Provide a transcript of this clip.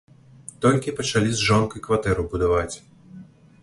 Толькі пачалі з жонкай кватэру будаваць.